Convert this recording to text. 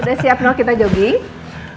udah siap dong kita jogging